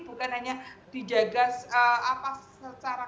bukan hanya dijaga secara